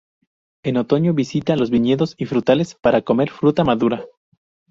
En otoño visita los viñedos y frutales para comer fruta madura.